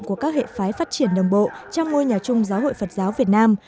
của các hệ phái phát triển đồng bộ trong ngôi nhà chung giáo hội phật giáo việt nam